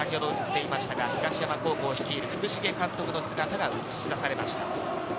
東山高校を率いる福重監督の姿が映し出されました。